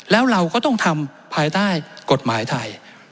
แล้วเราก็ต้องทำภายใต้กฎหมายไทย